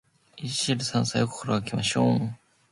一汁三菜を心がけましょう。